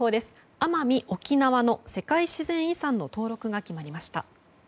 奄美・沖縄の世界自然遺産の登録が決まりました。